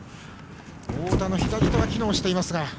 太田の左手が機能しています。